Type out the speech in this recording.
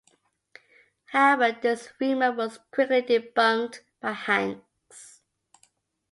However this rumor was quickly debunked by Hanks.